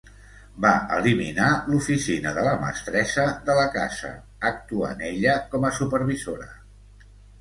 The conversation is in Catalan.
Va eliminar l'oficina de la mestressa de la casa, actuant ella com a supervisora.